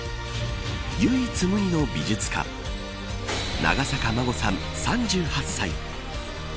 唯一無二の美術家長坂真護さん３８歳。